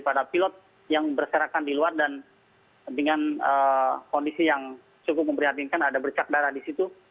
pada pilot yang berserakan di luar dan dengan kondisi yang cukup memprihatinkan ada bercak darah di situ